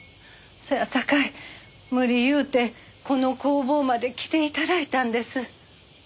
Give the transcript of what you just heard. そやさかい無理言うてこの工房まで来て頂いたんです。